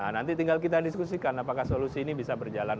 nanti tinggal kita diskusikan apakah solusi ini bisa berjalan